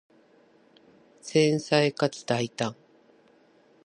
繊細かつ大胆